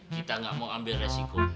kita nggak mau ambil resiko